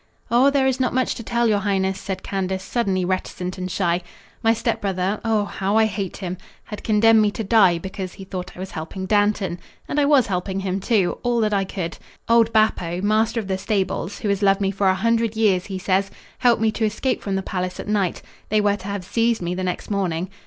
"Oh, there is not much to tell, your highness," said Candace, suddenly reticent and shy. "My step brother oh, how I hate him had condemned me to die because he thought I was helping Dantan. And I was helping him, too, all that I could. Old Bappo, master of the stables, who has loved me for a hundred years, he says, helped me to escape from the palace at night. They were to have seized me the next morning.